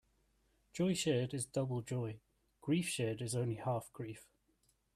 Joy shared is double joy; grief shared is only half grief.